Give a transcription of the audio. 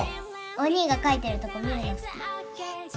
お兄が描いてるとこ見るの好き。